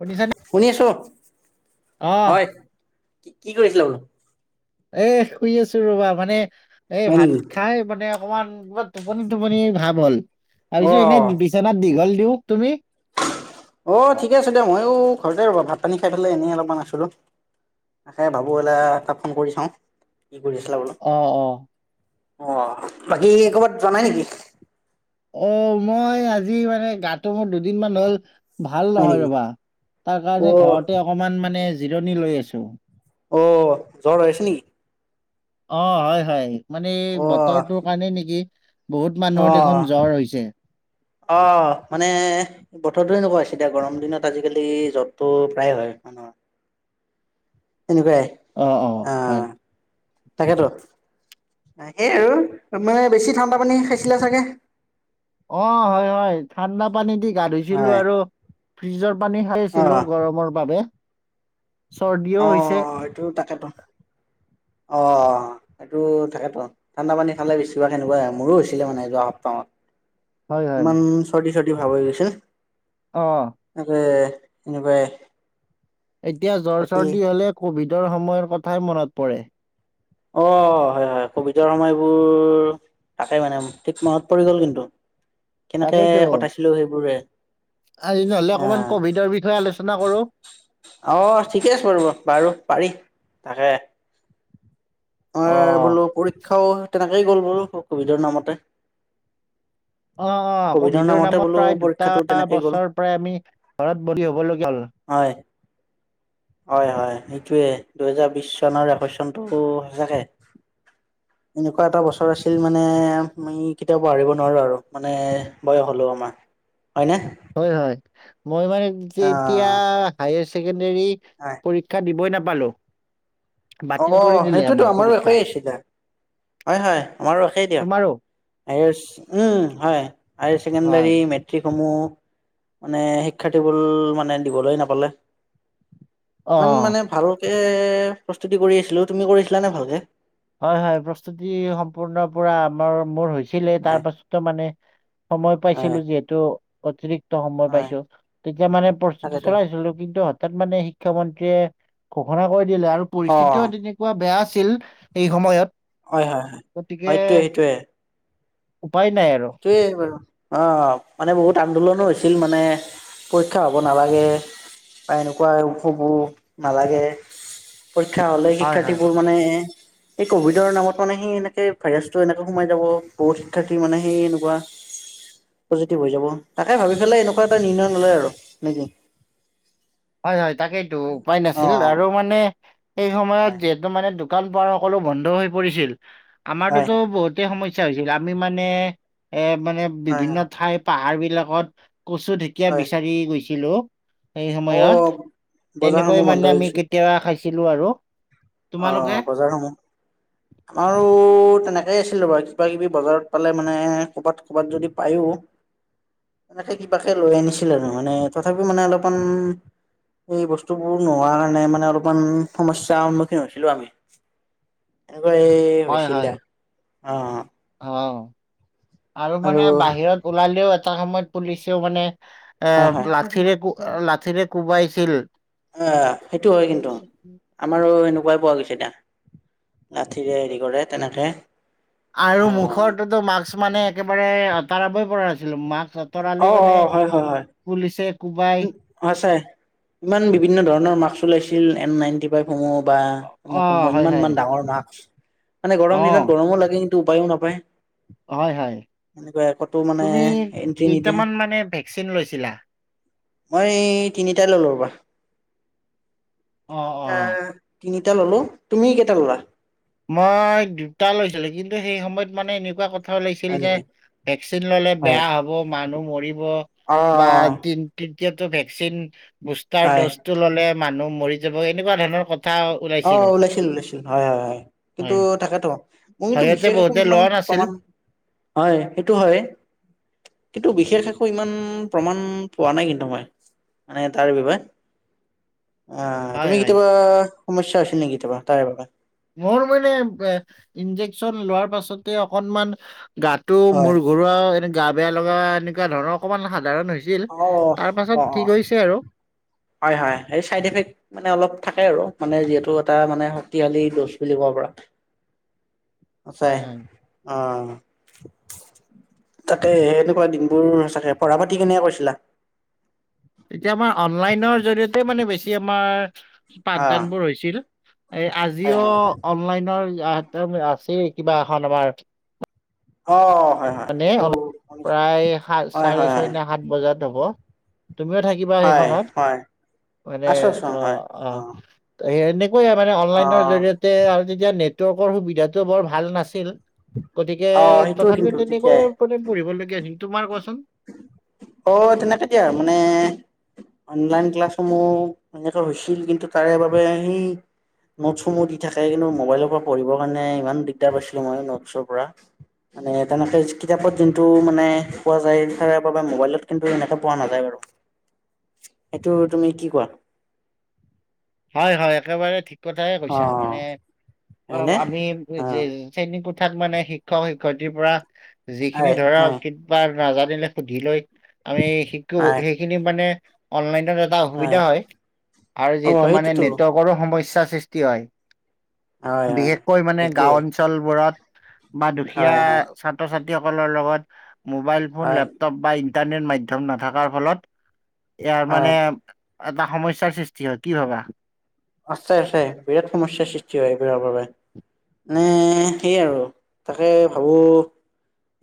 শুনিছানে শুনি আছো অ হয় কি কৰিছিলা বোলো এ শুই আছো ৰবা মানে এ হয় ভাত নেকি? খাই মানে অকমান টোপনি টোপনি ভাৱ হ'ল তাৰপিছত অ'। এনেই বিছনাত দীঘল দিলোঁ। তুমি? অ ঠিকেই আছে দে ময়ো ঘৰতে ৰ'বা ভাত পানী খাই পেলাই এনেই অলপমান আছিলোঁ। তাকে ভাবোঁ এলা এটা ফোন কৰি চাওঁ কি কৰি আছিলা বুলি। অ অ। অ বাকী কৰ'বাত জোৱা নাই নেকি? অ মই আজি মানে গাটো মোৰ দুদিনমান হ'ল ভাল হয় নহয় নেকি? ৰবা তাৰ কাৰণে অ' ঘৰতে অকমান মানে জিৰণি লৈ আছোঁ। অ জ্বৰ হৈছে নেকি? অ হয় হয় মানে এই অ' বতৰটোৰ কাৰণে নেকি বহুত মানুহৰ অ' দেখোন জ্বৰ হৈছে। অ মানে বতৰটোৱে এনেকুৱা হৈছে এতিয়া গৰম দিনত আজিকালি য'ত টো প্ৰায়ে হয় নহয়। এনেকুৱাই। অ অ। অ হয় তাকেইতো। এই আৰু মানে বেছি ঠাণ্ডা পানী খাইছিলে ছাগে? অ হয় হয় ঠাণ্ডা পানী দি গা ধুইছিলোঁ হয় আৰু ফ্ৰিজৰ পানী খাই অ আছিলোঁ গৰমৰ বাবে। চৰ্দিও অ হৈছে অ এইটো তাকেতো। অঁ। সেইটো থাকেতো ঠাণ্ডা পানী খালে বেছিভাগ তেনেকুৱা হয় মোৰো হৈছিলে মানে যোৱা সপ্তাহত। হয় হয় ইমান চৰ্দি চৰ্দি ভাব হৈ গৈছিল। অৱ। তাকে এনেকুৱাই। এতিয়া জ্বৰ বাকী চৰ্দি হ'লে কভিডৰ সময়ৰ কথাই মনত পৰে। অৱ হয় হয় কভিডৰ সময়বোৰ তাকে মানে ঠিক মাহত পৰি গ'ল কিন্তু কেনেকে তাকেইতো কটাইছিলো সেইবোৰে। আজি নহ'লে অ অকমান কভিডৰ বিষয়ে আলোচনা কৰোঁ। অৱ ঠিকে আছে বাৰু, বাৰু পাৰি তাকে। অ বোলো পৰীক্ষাও তেনেকেই গ'ল বোলো কভিডৰ নামতে। অৱ অৱ কভিডৰ নামতে নামত বোলো প্ৰায় দুটা পৰীক্ষাটো তেনেকেই গ'ল বছৰ প্ৰায় আমি ঘৰত বন্দী হ'বলগীয়া হ'ল। হয়, হয় হয় সেইটোৱে দুহেজাৰ বিশ চনৰ একৈছ চনটো সঁচাকে। এনেকুৱা এটা বছৰ আছিল মানে আম মই কেতিয়াও পাহৰিব নোৱাৰোঁ আৰু মানে বয়স হলো আমাৰ। হয়নে? হয় হয়, মই মানে যে অ এতিয়া হায়ষ্ট ছেকেণ্ডাৰী হয় পৰীক্ষা দিবই নাপালো। বাতিল অ কৰি দিলে সেইটোতো আমাৰ আমাৰো পৰীক্ষা। একেই আছিলে হয় হয় আমাৰো একেই দিয়া, তোমাৰো হায়াচ উম হাই ছেকেণ্ডাৰী হয় মেট্ৰিক মেট্ৰিকসমূহ মানে শিক্ষাৰ্থী বোৰে মানে দিবলৈ নাপালে। অ ইমান মানে ভালকে প্ৰস্তুতি কৰি আছিলোঁ। তুমি কৰিছিলা নে ভালকে? হয় হয় প্ৰস্তুতি সম্পূৰ্ণ পুৰা আমাৰ মোৰ হৈছিলে তাৰ হয় পাছতো মানে সময় হয় পাইছিলোঁ যিহেতু অতিৰিক্ত সময় হয় পাইছোঁ তেতিয়া মানে প্ৰস্তুতি তাকেতো চলাইছিলো কিন্তু হঠাৎ মানে শি মুখ্যমন্ত্ৰীয়ে ঘোষণা কৰি দিলে আৰু অ পৰিস্থিতিও তেনেকুৱা বেয়া আছিল সেই সময়ত। হয় হয় হয় গতিকে, সেইটোৱে সেইটোৱে উপায় নাই আৰু সেইটো এ বাৰু, আ মানে বহুত আন্দোলনো হৈছিল মানে। পৰীক্ষা হ'ব নালাগে বা এনেকুৱা উপো নালাগে। পৰীক্ষা হ'লে হয় হয় শিক্ষাৰ্থীবোৰ মানে এই কভিডৰ নামত মানে সি এনেকে ভাইৰাছ টো এনেকে সোমাই যাব বহু শিক্ষাৰ্থী মানে সেই এনেকুৱা। পজিটিভ হৈ যাব তাকে ভাবি পেলাই এনেকুৱা এটা নিৰ্ণয় ললে আৰু নেকি। হয় হয় তাকেইটো উপায় অ নাছিল আৰু মানে এইেই সময়ত হয় টো মানে দোকান পাৰ সকলো বন্ধ হৈ পৰিছিল হয় আমাৰতোতো বহুত বহুতে সমস্যা হৈছিল আমি মানে এ মানে হয় বিভিন্ন হয় ঠাইত পাহাৰ বিলাকত কচু ঢেকীয়া হয় বিচাৰি গৈছিলো। সেই অ সময়ত তেনেকৈ বজাৰসমূহ বন্ধ মানে হৈ আমি গৈছে কেতিয়াবা খাইছিলো আৰু তোমালোকে অৱ বজাৰসমূহ আমাৰো তেনেকেই আছিল বাৰু কিবা কিবি বজাৰত পালে মানে কৰ'বাত ক'ৰবাত যদি পায়ো। এনেকে কিবাকে লৈ আনিছিল আৰু মানে তথাপিও মানে অলপমান। এই বস্তুবোৰ নোহোৱা কাৰণে মানে অলপমান সমস্যা সন্মুখীন হৈছিলো আমি এনেকুৱা, এই হৈছিল অৱ অৱ। অৱ আৰু মানে বাহিৰত ওলালেও এটা সময়ত পুলিছেও মানে হয় হয় এ লাঠিৰে লাঠিৰে কোবাইছিল। এৱ সেইটো হয় কিন্তু। আমাৰো এনেকুৱাই পোৱা গৈছে না, লাঠিৰে হেৰি কৰে তেনেকে। আৰু অ'। মুখৰটোতো মাক্স মানে একেবাৰে আঁতৰাবই পৰা নাছিলো মাৰ্ক্স অঁ অঁ, হয় হয় হয়। পুলিছে কোবাই। অঁ সচাঁই, ইমান বিভিন্ন ধৰণৰ মাক্স ওলাইছিল, এন নাইনটি- বা অ হয় হয় ইমানমান ডাঙৰ মাক্স মানে গৰম অ দিনত গৰমো লাগে কি- টো উপায়ো নাপায়, হয় হয় এনেকৈ আকৌ তোৰ মানে তুমি এণ্ট্ৰি নিদিয়ে। কেইটামান মানে ভেকচিন লৈছিলা? মই তিনিটাই ললো ৰবা অ অ তিনিটা। তিনিটা ল'লোঁ, তুমি কেইটা ল'লা? মই দুটা লৈছিলো। কিন্তু সেই সময়ত মানে এনেকুৱা কথা- ওলাইছিল হয় যে নেকি ভেকচিন ললে হয় বেয়া হব, মানুহ মৰিব অ বা তি- তৃতীটো ভেকচিন বুষ্টাৰ হয় ড'জটো ললে মানুহ মৰি যাব, এনেকুৱা ধৰণৰ কথা। অঁ ওলাইছিল ওলাইছিল হয় হয় হয়। কিন্তু হয় তাকেতো মইটো হয়তে বিশেষ একো বহুতে ইমান লোৱা নাছিল প্ৰমাণ, হয় সেইটো হয়। কিন্তু বিশেষ একো ইমান প্ৰমাণ পোৱা নাই কিন্তু মই। মানে তাৰ বিষয়। আহ হয় তুমি হয় কেতিয়াবা সমস্যা আছিল নেকি কেতিয়াবা তাৰে বাবে? মোৰ মানে ইনজেকচন লোৱাৰ পাছতে অকনমান গাত- টো হয়। মোৰ ঘৰুৱা আৰু এনে গা বেয়া লগা এনেকুৱা ধৰণৰ অকনমান সাধাৰণ হৈ- ছিল, অ তাৰ অ অ পাছত ঠিক হৈছে আৰু। হয় হয়, এই চাইড এফেক্ট- মানে অলপ থাকে আৰু। মানে যিহেতু এটা মানে শক্তিশালী ড'জ বুলি ক'ব পৰা। আছে। হয় হয়। অঁ, তাতে এনেকুৱা দিনবোৰ চাগে পঢ়া পাতি কেনেকে কৰিছে? লা- তেতিয়া আমাৰ অনলাইনৰ জৰিয়তে মানে বেছি আমাৰ অ পাঠদানবোৰ হৈছিল। এই হয় আজিও হয় হয় অনলাইনৰ আছে কিবা এখন আমাৰ। অঁ, হয়। হয় মানে সেইটো অলপ হয় প্ৰায় সাত, হয় চাৰে ছয়, হয় ন সাত বজাত হ'ব, তুমিও থাকি- বা হয় সেইখনত হয় মানে আছো আছো হয় অঁ অ অঁ। এনেকৈয়ে মানে অ অনলাইনৰ জৰিয়তে আৰু তেতিয়া নেটৱৰ্কৰ সুবিধাতটো বৰ ভাল নাছিল। গতিকে অ সেইটোৱে তথাপিও কিন্তু তেনেকৈ তেতিয়াই প পঢ়িবলগীয়া হৈছিল। তোমাৰ কোৱাচোন? অঁ তেনেকে দিয়ে আৰু মানে- অনলাইন ক্লাছসমূহ এনেকুৱা হৈছিল। কিন্তু তাৰে বাবে সেই- নোটছসমূহ দি থাকে, কিন্তু মোবাইলৰ পৰা পঢ়িবৰ কাৰণে ইমান দিগদাৰ পাইছিলো, মই নোটছৰ পৰা। মানে তেনেকৈ কিতাপত যোনটো মানে পোৱা যায়। বাবে মোবাইলত কিন্তু এনেকা পোৱা নাযায় বাৰু। সেইটো তুমি কি কোৱা? হয় হয় একেবাৰে ঠিক কথাই অ কৈছা, মানে অ হয়নে আমি- অ শ্ৰেণী কোঠাত মানে শিক্ষক শিক্ষয়িত্ৰী পৰা যিখিনি হয় ধৰা- হয় বা নাজানিলে সুধি লৈ আমি শিকো, হয় সেইখিনি মানে অনলাইনত- এটা অসুবিধা হয় আৰু অ যি- সেইটোতো সকলো সমস্যা সৃষ্টি হয়, হয় হয় বিশেষকৈ মানে সেইটোৱে গাওঁ অঞ্চলত। অঞ্চলবোৰত বা দুখীয়া হয় হয় ছাত্ৰ ছাত্ৰীসকলৰ লগত- মোবাইল ফোন, হয় লেপটপ বা ইণ্টাৰনেট মাধ্যম নাথকাৰ ফলত ইয়াৰ হয় মানে- এটা সমস্যাৰ সৃষ্টি হয়, কি ভাবা? আছে আছে, বিৰাট সমস্যাৰ সৃষ্টি হয় এইবোৰৰ বাবে। নে সেই আৰু তাকে ভাবো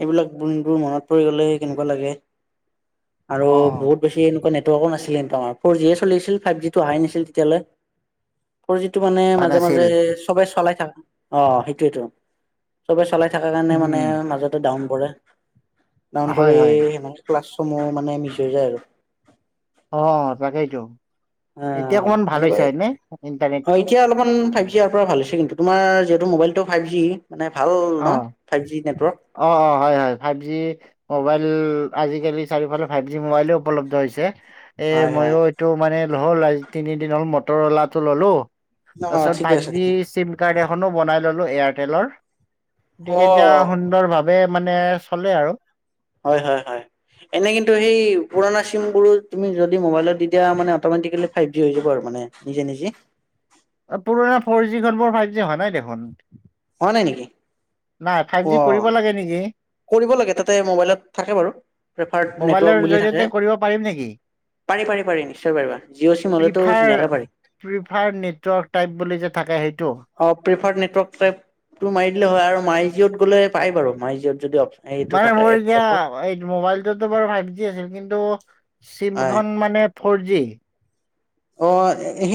এইবিলাক দিনবোৰ মনত পৰি গ'লে কেনেকোৱা লাগে আৰু অ', বহুত বেছি এনেকোৱা নেটৱৰ্কো নাছিলে কিন্তু আমাৰ ফৰজিয়ে চলি আছিল ফাইভ জিটো অহাই নছিল তেতিয়ালৈ ফৰজিটো মানে হোৱা মাজে মাজে নাছিল চবে চলাই থাক অ সেইটোৱেটো চবে চলাই থকাৰ কাৰণে উম, মানে মাজতে ডাউন পৰে ডাউন হয়, পৰি হয় সেনেকে ক্লাছসমূহ মানে মিছ হৈ যায় আৰু অ তাকেইতো অ এতিয়া অকণমান ভাল হৈছেনে হয়নে ইণ্টাৰনেটটো অকমান ফাইভ জি অহাৰ পৰা ভাল হৈছে কিন্তু তোমাৰ যিহেতু মোবাইলটো ফাইভ জি মানে ভাল ন অ', ফাইভ জি নেটৱৰ্ক অ অ হয় হয় ফাইভ জি মোবাইল আজিকালি চাৰিওফালে ফাইভ জি মোবাইলে উপলব্ধ হৈছে এ হয় হয় মইয়ো এইটো মানে নহ'ল আজি তিনিদিন হ'ল মটৰ অলাটো ললো অ তাছত ঠিকে ফাইভ আছে জি ঠিকে চিম কাৰ্ড এখনো বনাই ললো এয়াৰটেলৰ গতিকে এতিয়া অ সুন্দৰ ভাৱে মানে চলে আৰু হয় হয় হয় এনে কিন্তু সেই পুৰণা চিম বোৰো তুমি যদি মোবাইলত দি দিয়া মানে অটমেটিকেলি ফাইভ জি হৈ যাব আৰু মানে নিজে নিজে অ পুৰণা ফ'ৰ জিখন মোৰ ফাইভ জি হোৱা নাই দেখোন হোৱা নাই নেকি? নাই ফাইভ অ' জি কৰিব লাগে নেকি কৰিব লাগে তাতে মোবাইলত থাকে বাৰু প্ৰেফাৰ্ড নেটৱৰ্ক বুলি থাকে ত পাৰিম নেকি পাৰি পাৰি পাৰি নিশ্চয় পাৰিবা জিঅ' চিম হ'লেতো ধুনীয়াকৈ পাৰি প্ৰিফাৰ্ড নেটৱৰ্ক টাইপ বুলি যে থাকে সেইটো অ প্ৰিফাৰ নেটৱৰ্ক টাইপটো মাৰি দিলে হয় আৰু মাই জিঅ'ত গ'লে পাই বাৰু মাই জিঅ'ত যদি অপ মানে মোৰ এতিয়া এই মবাইল টো বাৰু ফাইভ জি আছিল কিন্তু চিম হয়। খন মানে ফৰ জি অ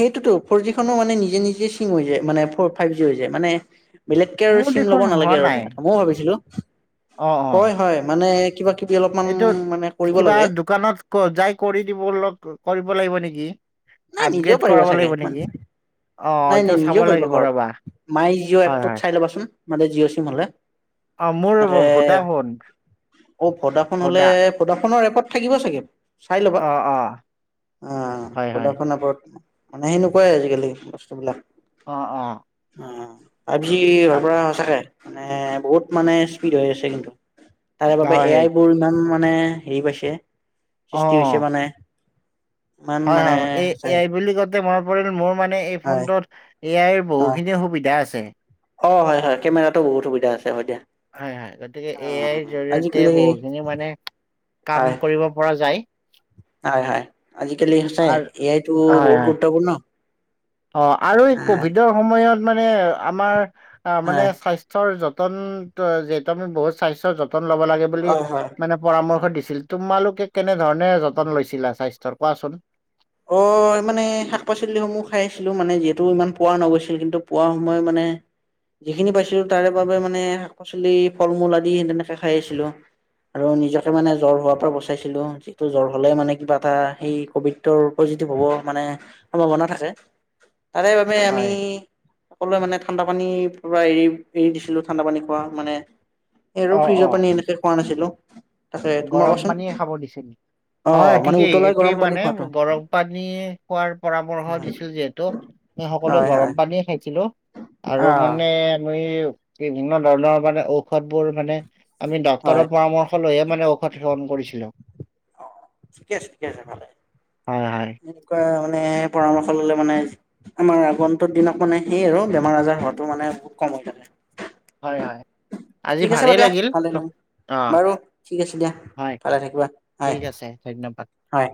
সেইটোতো ফৰ জি খনো মানে নিজে নিজে চিম হৈ যায় মানে ফ ফাইভ জি হৈ যায় মানে বেলেগকে আৰু মোৰ চিম ল'ব দেখোন হোৱা নালাগে আৰু এটা নাই কথা ময়ো ভাবিছিলো অ অ হয় হয় মানে কিবা কি অলপমান এইটো মানে কৰিব কিবা লাগে দোকানত ক যাই কৰি দিব লগ কৰিব লাগিব নেকি নাই নিজেও আপগ্ৰেড কৰাব পাৰিবা লাগিব চাগে ইমান নেকি অ নাই এইটো নাই চাব নিজেও কৰিব লাগিব ৰবা ঘৰত মাই জিঅ' হয় হয় এপটোত চাই ল'বাচোন মানে জিঅ' চিম হ'লে অ মোৰ এনেকে ভদাফন অ ভদাফোন হলে ভদাফোনৰ এপত থাকিব চাগে চাই লবা অ অ অ হয় হয় ৰত মানে সেনেকোৱাই আজিকালি বস্তুবিলাক অ অ অ আজি ঘৰ পৰা সঁচাকে মানে বহুত মানে স্পীড হৈ আছে কিন্তু তাৰে বাবে হয় এ হয় আই বোৰ ইমান মা নে হেৰি পাইছে অ সৃষ্টি হৈছে মানে ই অ এই এ আই বুলি কওঁতে মনত পৰিল মোৰ মানে এই হয় ফোনটোত এ আইৰ অ বহুখিনিয়ে সুবিধা আছে অ হয় হয় কেমেৰাতো বহুত সুবিধা আছে হয় দিয়া হয় হয় গতিকে অ এ আইৰ জৰিয়তে আজিকালি বহুখিনি মানে কাম হয় কৰিব পৰা যায় হয় হয়। আজিকালি সচাই আৰু এয়াইতটো হয় বহুত হয় গুৰুত্বপূৰ্ণ। অ আৰু এই আহ কভিডৰ সময়ত মানে আমাৰ মানে হয় স্বাস্থ স্বাসৰ যতন যিহেতু, আমি বহুত স্বাস্থ্যৰ যতন ল'ব লাগে বুলি হয় হয় মানে পৰামৰ্শ দিছিল। তোমালোকে কেনেধৰণে যতন লৈছিলা স্বাস্থ্যৰ কোৱাচোন? অ মানে শাক পাচলিসমূহ খাই আছিলোঁ, মানে যিহেতু ইমান পোৱা নগৈছিল কিন্তু, পোৱা সময় মানে যিখিনি পাইছিলো তাৰে বাবে মানে শাক পাচলি, ফল মূল আদি সেনেকে খাই খাই আছিলো। আৰু নিজকে মানে জ্বৰ হোৱাৰ পৰা বচাইছিলো, যিটো জ্বৰ হ'লে মানে কিবা এটা সেই কভিড পজিটিভ হ'ব মানে সম্ভাৱনা থাকে, তাৰে বাবে আমি হয় সকলোৱে মানে ঠাণ্ডা পানীৰ পোৰা এৰি এৰি দিছিলো, ঠাণ্ডা পানী খোৱা মানে এইৰ অ অ ফ্ৰিজৰ পানী এনেকে খোৱা নাছিলো। গৰম পানীয়ে খাব দিছিল। অ হয় মানে ঠিকেই উতলাই একেই গৰম পানী মানে খোৱাটো গৰম পানী খোৱাৰ পৰামৰ্শ হয় দিছিল যিহেতু, সকলোৱে হয় গৰম হয় পানীয়ে খাইছিলো, আৰু অ মানে মই বিভিন্ন ধৰণৰ মানে ঔষধ বোৰ মানে আমি হয় ডাক্ক্তৰৰ পৰামৰ্শ লৈয়ে মানে ঔষধ সেৱন কৰিছিলোঁ। ঠিকে আছে ঠিকে আছে ভালে। হয় হয় এনেকুৱা মানে পৰামৰ্শ ললে মানে আমাৰ আগন্তুুৰ দিনত মানে সেইয়ে আৰু বেমাৰ আজাৰ হোৱাতটো মানে বহুত কম হৈ থাকে। হয় হয়। আজি ঠিক আছে বাৰু ভালেই দিয়া, ভাল লাগিল অ মোৰ। বাৰু ঠিক আছে দিয়া, হয় ভালে থাকিবা, হয় ঠিক আছে ধন্যবাদ হয়।